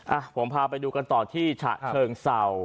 อ่ะผมพาไปดูกันต่อที่จักรเชิงเสาร์